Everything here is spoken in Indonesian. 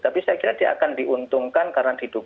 tapi saya kira dia akan diuntungkan karena didukung